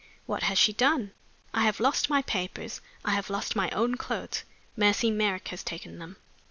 "What has she done?" "I have lost my papers; I have lost my own clothes; Mercy Merrick has taken them."